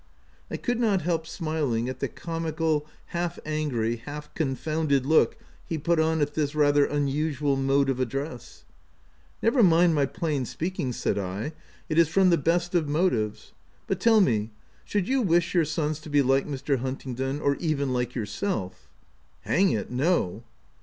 5 ' I could not help smiling at the comical, half angry, half confounded look he put on at this rather unusual mode of address. " Never mind my plain speaking," said I ;" it is from the best of motives. But tell me, should you wish your sons to be like Mr. Hun tingdon — or even like yourself ?"" Hang it, no."